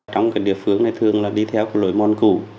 trong cái địa phương này thường là đi theo cái lối môn cũ